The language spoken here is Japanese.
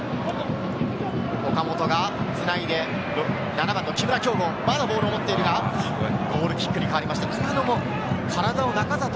岡本がつないで７番の木村匡吾、まだボールを持っているがゴールキックに変わりました。